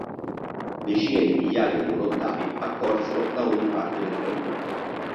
Decine di migliaia di volontari accorsero da ogni parte del Regno.